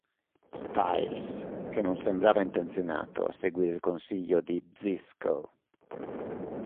Styles, che non sembrava intenzionato a seguire il consiglio di Zbyszko.